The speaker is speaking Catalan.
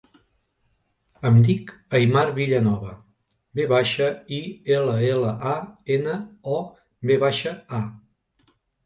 Em dic Aimar Villanova: ve baixa, i, ela, ela, a, ena, o, ve baixa, a.